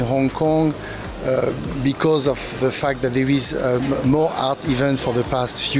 jadi anda memiliki kolektor dari seluruh dunia yang berlari